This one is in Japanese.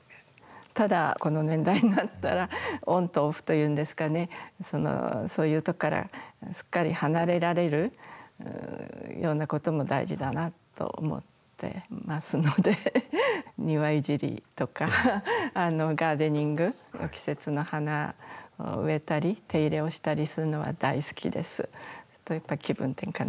ただ、この年代になったら、オンとオフというんですかね、そういうところからすっかり離れられるようなことも大事だなと思ってますので、庭いじりとか、ガーデニング、季節の花を植えたり、手入れをしたりするのは大好きです。